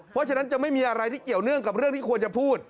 เพราะฉะนั้นจะไม่มีอะไรที่เกี่ยวเนื่องกับเรื่องที่ควรจะพูด